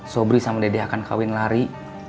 sobri sama dede akan kawin lari